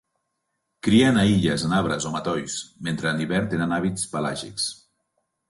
Crien a illes, en arbres o matolls, mentre en hivern tenen hàbits pelàgics.